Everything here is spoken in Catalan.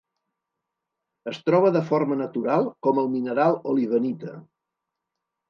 Es troba de forma natural com el mineral olivenita.